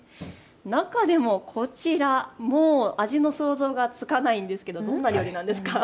中でもこちら、もう、味の想像がつかないんですけどどんな料理なんですか。